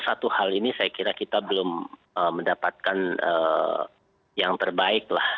satu hal ini saya kira kita belum mendapatkan yang terbaik lah